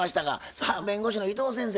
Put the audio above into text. さあ弁護士の伊藤先生